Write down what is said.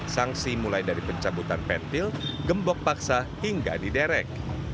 sangsi mulai dari pencabutan petil gembok paksa hingga diderek